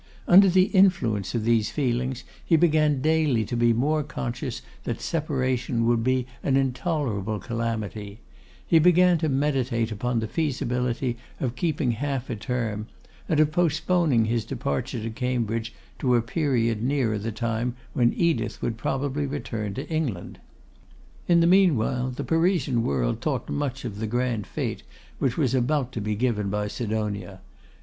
Under the influence of these feelings, he began daily to be more conscious that separation would be an intolerable calamity; he began to meditate upon the feasibility of keeping a half term, and of postponing his departure to Cambridge to a period nearer the time when Edith would probably return to England. In the meanwhile, the Parisian world talked much of the grand fete which was about to be given by Sidonia.